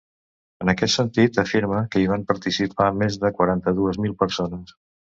En aquest sentit, afirma que hi van participar més de quaranta-dues mil persones.